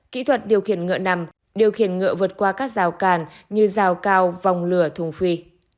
kỹ thuật điều khiển ngựa nằm điều khiển ngựa vượt qua các rào càn như rào cao vòng lửa thùng phi